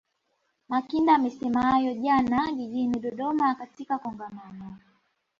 Makinda amesema hayo jana jijini Dodoma katika Kongamano